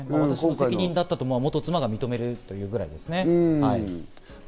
私の責任だったと元妻が認めるくらいですね。